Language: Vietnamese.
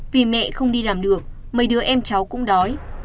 vì mẹ không đi làm được mấy đứa em cháu cũng đói